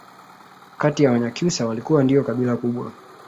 kati yao Wanyakyusa walikuwa ndio kabila kubwa